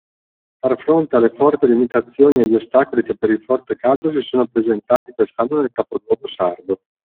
Far fronte alle forti limitazioni e gli ostacoli che per il forte caldo si sono presentati quest’anno nel capoluogo Sardo